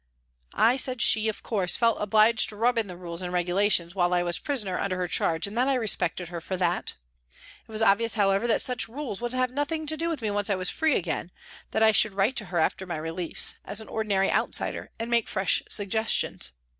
I said she, of course, felt obliged to rub in the rules and regulations while I was prisoner under her charge and that I respected her for that. It was obvious, however, that such rules would have nothing to do with me once I was free again, that I should p. M 162 PRISONS AND PRISONERS write to her after my release, as an ordinary out sider, and make fresh suggestions.